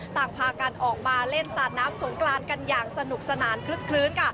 ต่างพากันออกมาเล่นสาดน้ำสงกรานกันอย่างสนุกสนานคลึกคลื้น